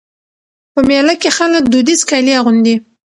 په مېله کښي خلک دودیز کالي اغوندي.